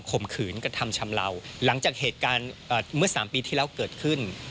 ข่มขืนกระทำชำเลาหลังจากเหตุการณ์เมื่อ๓ปีที่แล้วเกิดขึ้น